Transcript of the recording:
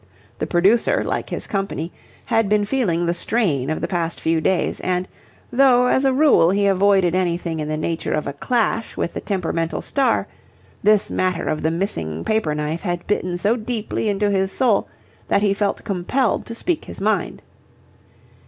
The producer, like his company, had been feeling the strain of the past few days, and, though as a rule he avoided anything in the nature of a clash with the temperamental star, this matter of the missing paper knife had bitten so deeply into his soul that he felt compelled to speak his mind.